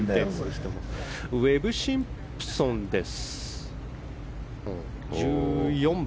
ウェブ・シンプソン、１４番。